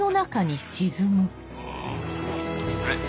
あれ？